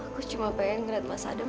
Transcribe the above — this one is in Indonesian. aku cuma pengen ngeliat masa adam